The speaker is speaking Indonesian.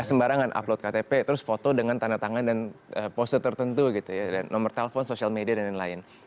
sembarangan upload ktp terus foto dengan tanda tangan dan pose tertentu gitu ya dan nomor telepon social media dan lain lain